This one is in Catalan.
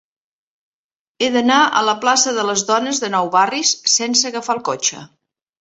He d'anar a la plaça de Les Dones de Nou Barris sense agafar el cotxe.